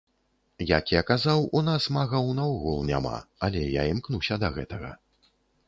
Як я казаў, у нас магаў наогул няма, але я імкнуся да гэтага.